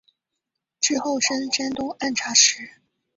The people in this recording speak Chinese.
之后升山东按察使。